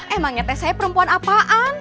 emangnya teh saya perempuan apaan